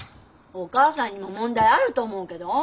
お母さんにも問題あると思うけど。